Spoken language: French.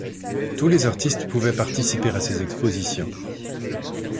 Tous les artistes pouvaient participer à ses expositions.